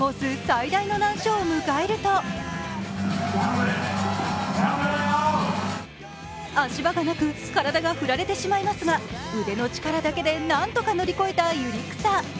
最大の難所を迎えると足場がなく、体が振られてしまいますが腕の力だけで何とか乗り越えた百合草。